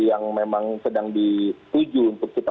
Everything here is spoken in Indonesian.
yang memang sedang dituju untuk kita